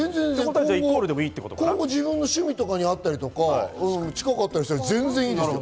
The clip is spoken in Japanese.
今後自分の趣味とかにあったりとか近かったりしたら全然いいですよ。